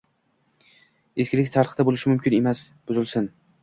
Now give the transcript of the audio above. eskilik sarqiti bo‘lishi mumkin emas! Buzilsin!